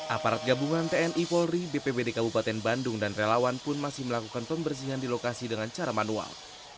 aparat gabungan tni polri bpbd kabupaten bandung dan relawan pun masih melakukan pembersihan di lokasi dengan cara manual